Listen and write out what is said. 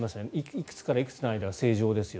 いくつからいくつの間が正常ですよ。